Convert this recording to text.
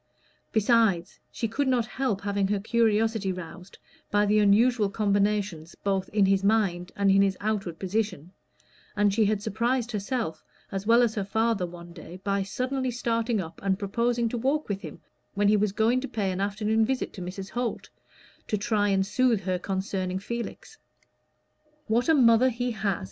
Besides, she could not help having her curiosity roused by the unusual combinations both in his mind and in his outward position, and she had surprised herself as well as her father one day by suddenly starting up and proposing to walk with him when he was going to pay an afternoon visit to Mrs. Holt, to try and soothe her concerning Felix. "What a mother he has!"